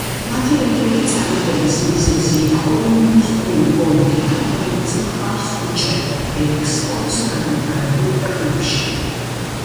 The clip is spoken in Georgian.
მათი ერთ-ერთი წარმატების მიზეზი იყო ინდუსტრიული პოლიტიკა, რომელიც მხარს უჭერდა ექსპორტს განვითარებულ ქვეყნებში.